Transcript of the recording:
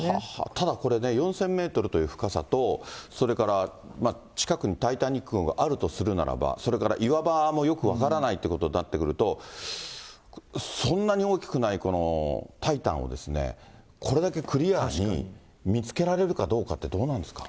ただこれね、４０００メートルの深さと、それから近くにタイタニック号があるとするならば、それから岩場もよく分からないってことになってくると、そんなに大きくないこのタイタンを、これだけクリアに見つけられるかどうかって、どうなんですか？